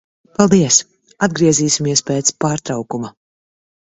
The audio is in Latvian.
Paldies. Atgriezīsimies pēc pārtraukuma.